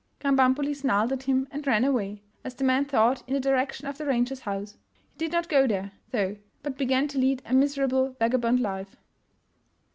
Krambambuli snarled at him and ran away, as the man thought, in the direction of the ranger's house. He did not go there, though, but began to lead a miserable vagabond life.